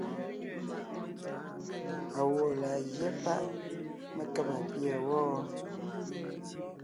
Awɔ̌ laa gyɛ́ páʼ mé kába pîɛ wɔ́?